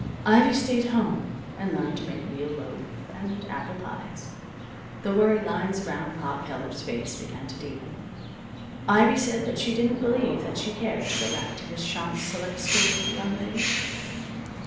Ivy stayed home and learned to make veal loaf and apple pies. The worry lines around Pa Keller's face began to deepen. Ivy said that she didn't believe that she cared to go back to Miss Shont's select school for young ladies.